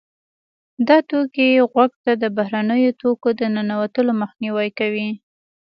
دا توکي غوږ ته د بهرنیو توکو د ننوتلو مخنیوی کوي.